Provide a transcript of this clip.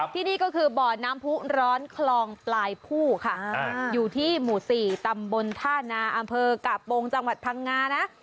ที่นี่ก็คือบ่อน้ำผู้ร้อนคลองปลายผู้ค่ะอยู่ที่หมู่๔ตำบลท่านาอำเภอกะปงจังหวัดพังงานะ